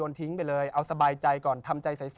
ทิ้งไปเลยเอาสบายใจก่อนทำใจใส